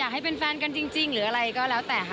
ให้เป็นแฟนกันจริงหรืออะไรก็แล้วแต่ค่ะ